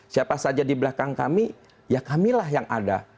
siapa saja di belakang kami ya kamilah yang ada